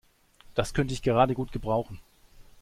Das könnte ich gerade gut gebrauchen.